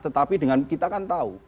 tetapi dengan kita kan tahu